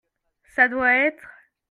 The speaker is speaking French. Ça doit être.